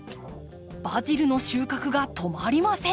バジルの収穫が止まりません。